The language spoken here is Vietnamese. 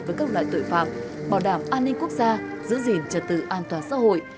với các loại tội phạm bảo đảm an ninh quốc gia giữ gìn trật tự an toàn xã hội